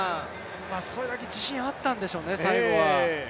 それだけ自信あったんでしょうね、最後は。